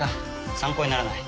参考にならない。